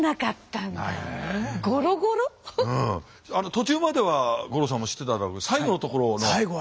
途中までは五郎さんも知ってた最後のところの。